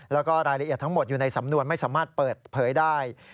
แล้วก็รายละเอียดทั้งหมดอยู่ในสำนวนไม่สามารถเปิดเผยได้